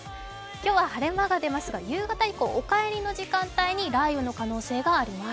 今日は晴れ間が出ますが、夕方以降、お帰りの時間に雷雨の可能性があります。